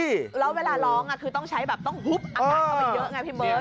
พี่น้องคือต้องใช้แบบต้องอันดับเข้าไปเยอะไงพี่เบิร์ต